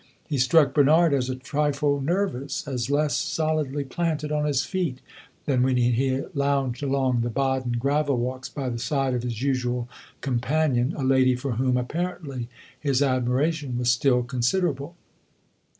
He struck Bernard as a trifle nervous as less solidly planted on his feet than when he lounged along the Baden gravel walks by the side of his usual companion a lady for whom, apparently, his admiration was still considerable.